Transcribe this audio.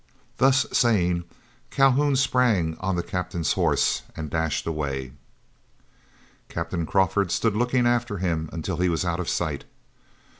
Thus saying, Calhoun sprang on the Captain's horse, and dashed away. Captain Crawford stood looking after him until he was out of sight.